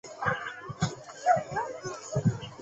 县治黑马戈尔。